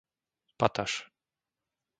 Pataš